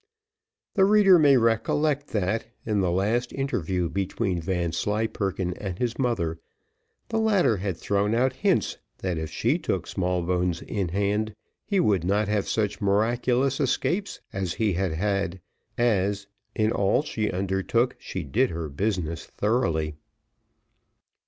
The reader may recollect that, in the last interview between Vanslyperken and his mother, the latter had thrown out hints that if she took Smallbones in hand he would not have such miraculous escapes as he had had, as, in all she undertook, she did her business thoroughly.